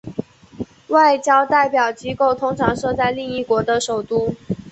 外交代表机构通常设在另一国的首都。